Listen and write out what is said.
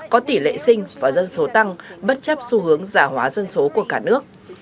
có tỷ lệ sinh và dân số tăng bất chấp xu hướng giả hóa dân số của cả nước